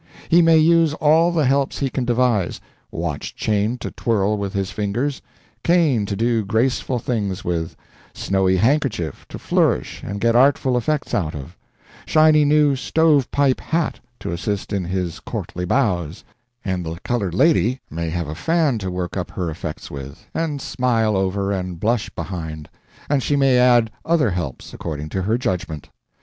He may use all the helps he can devise: watch chain to twirl with his fingers, cane to do graceful things with, snowy handkerchief to flourish and get artful effects out of, shiny new stovepipe hat to assist in his courtly bows; and the colored lady may have a fan to work up her effects with, and smile over and blush behind, and she may add other helps, according to her judgment.